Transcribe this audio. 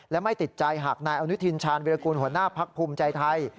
และไม่ติดใจหากนายอนุทินชาญวิรากูลหัวหน้าพักภูมิใจไทย